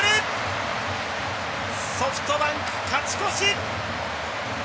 ソフトバンク、勝ち越し！